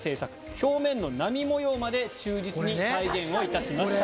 表面の波模様まで、忠実に再現をいたしました。